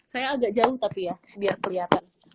saya agak jauh tapi ya biar kelihatan